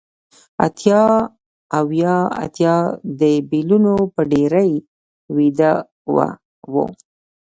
اتیا اوه اتیا د بیلونو په ډیرۍ ویده و